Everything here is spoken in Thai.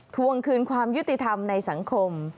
ทวงคืนความยุติธรรมในสังคม